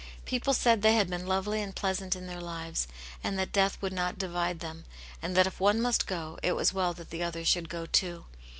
People said they had been lovely and pleasant in their lives, and that death would not divide them, and that if one must go, it was well that the other should go too.